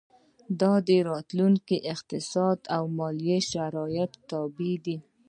دا د راتلونکو اقتصادي او مالي شرایطو تابع دي.